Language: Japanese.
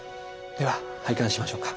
では拝観しましょうか。